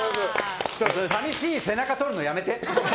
寂しい背中撮るのやめて！